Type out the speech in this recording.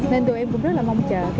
nên tụi em cũng rất là mong chờ